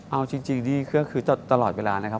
เอาจริงดีคือตลอดเวลานะครับ